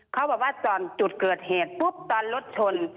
เขาบอกว่าก่อนจุดเกิดเหตุปุ๊บตอนรถชน